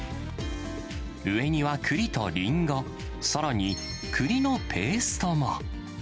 上にはくりとリンゴ、さらに、くりのペーストも。